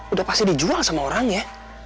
udah pasti dijual sama orangnya